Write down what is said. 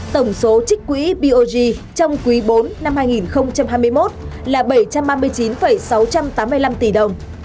tổng số trích quỹ bog trong quý bốn năm hai nghìn hai mươi một là bảy trăm ba mươi chín sáu trăm tám mươi năm tỷ đồng